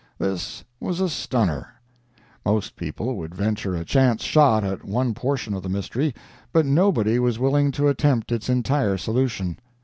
This was a "stunner." Most people would venture a chance shot at one portion of the mystery, but nobody was willing to attempt its entire solution.